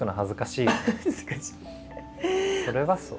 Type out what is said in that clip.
それはそう。